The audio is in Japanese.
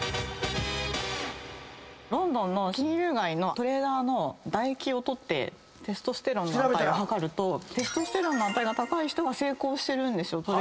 ロンドンの金融街のトレーダーの唾液を取ってテストステロンの値を計るとテストステロンの値が高い人が成功してるんですよ